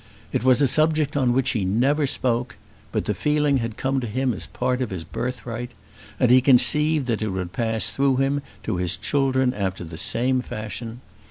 It was a subject on which he never spoke; but the feeling had come to him as a part of his birthright. And he conceived that it would pass through him to his children after the same fashion.